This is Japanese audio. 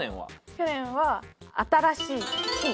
去年は「新しい」「新」。